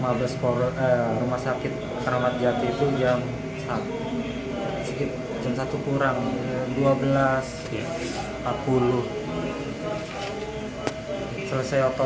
mabes polres rumah sakit kramatjati itu jam saat sedikit jam satu kurang dua belas empat puluh